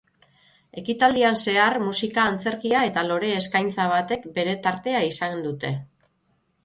Ekitaldian zehar musika, antzerkia eta lore-eskaintza batek bere tartea izan dute.